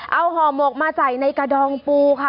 เอาห่อหมกมาใส่ในกระดองปูค่ะ